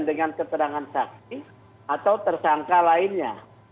dengan keterangan saksi atau tersangka lainnya